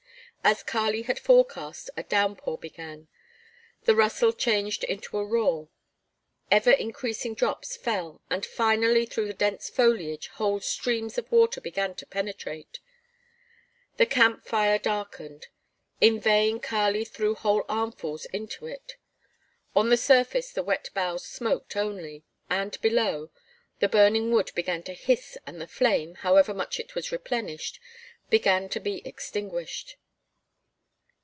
As Kali had forecast, a downpour began. The rustle changed into a roar. Ever increasing drops fell, and finally through the dense foliage whole streams of water began to penetrate. The camp fire darkened. In vain Kali threw whole armfuls into it. On the surface the wet boughs smoked only, and below, the burning wood began to hiss and the flame, however much it was replenished, began to be extinguished.